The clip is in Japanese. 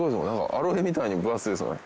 アロエみたいに分厚いですね。